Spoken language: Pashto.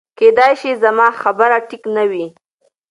کېدی شي زما خبره ټیک نه وه